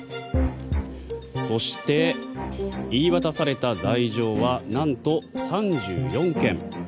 そして、言い渡された罪状はなんと３４件。